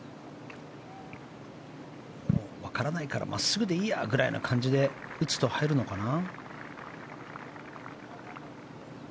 わからないから真っすぐでいいやみたいな感じで打つと入るのかな？